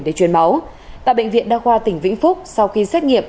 để truyền máu tại bệnh viện đa khoa tỉnh vĩnh phúc sau khi xét nghiệm